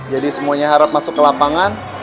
jadi semuanya harap masuk ke lapangan